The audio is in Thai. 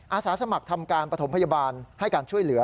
อาสาสมัครทำการปฐมพยาบาลให้การช่วยเหลือ